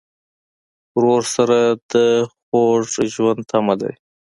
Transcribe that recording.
ورور سره د خوږ ژوند تمه لرې.